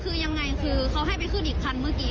คือยังไงคือเขาให้ไปขึ้นอีกคันเมื่อกี้